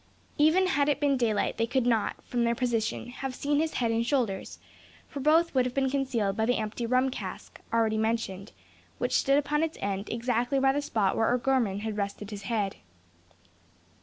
Even had it been daylight they could not, from their position, have seen his head and shoulders; for both would have been concealed by the empty rum cask, already mentioned, which stood upon its end exactly by the spot where O'Gorman had rested his head.